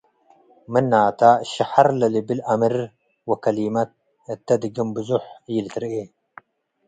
ምናተ፡ ሸሐር ለልብል አምር ወከሊመት እተ ድግም ብዞሕ ኢልትርኤ።